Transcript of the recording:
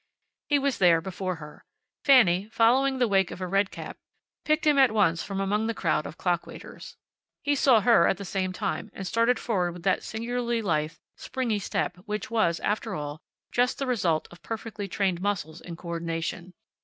He was there before her. Fanny, following the wake of a redcap, picked him at once from among the crowd of clock waiters. He saw her at the same time, and started forward with that singularly lithe, springy step which was, after all, just the result of perfectly trained muscles in coordination.